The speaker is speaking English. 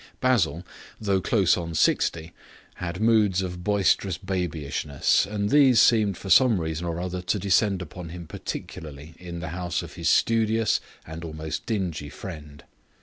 Basil, though close on sixty, had moods of boisterous babyishness, and these seemed for some reason or other to descend upon him particularly in the house of his studious and almost dingy friend.